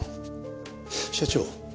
社長。